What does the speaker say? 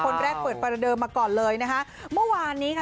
แรกเปิดประเดิมมาก่อนเลยนะคะเมื่อวานนี้ค่ะ